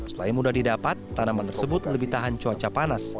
selain mudah didapat tanaman tersebut lebih tahan cuaca panas